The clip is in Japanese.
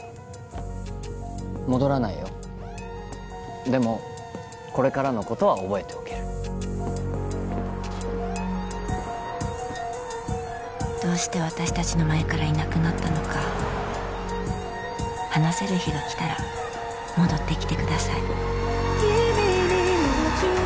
戻らないよでもこれからのことは覚えておけるどうして私達の前からいなくなったのか話せる日が来たら戻ってきてください